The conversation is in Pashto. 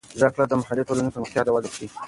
زده کړه د محلي ټولنو پرمختیا ته وده ورکوي.